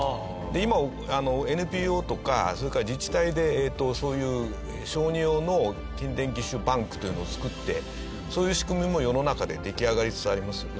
今ＮＰＯとかそれから自治体でそういう小児用の筋電義手バンクというのを作ってそういう仕組みも世の中で出来上がりつつありますよね。